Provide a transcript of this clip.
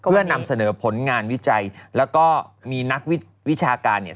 เพื่อนำเสนอผลงานวิจัยแล้วก็มีนักวิชาการเนี่ย